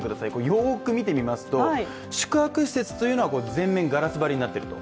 よく見てみますと、宿泊施設は全面ガラス張りになっていると。